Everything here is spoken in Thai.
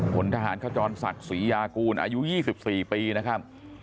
ผลทหารขจรศักดิ์ศรียากูลอายุ๒๔ปีนะครับ